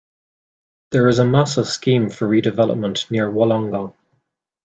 There is a massive scheme for redevelopment near Wollongong.